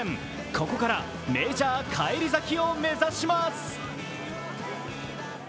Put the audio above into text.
ここからメジャー返り咲きを目指します。